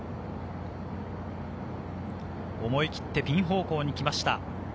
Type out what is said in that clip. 思い切ってピン方向に打ちました。